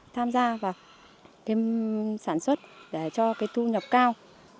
tham gia và kém sản xuất để cho cái thu nhập cao